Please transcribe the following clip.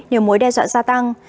nếu mối đe dọa gia tăng